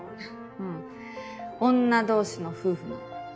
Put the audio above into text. うん女同士の夫婦なの。